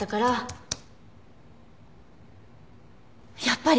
やっぱり！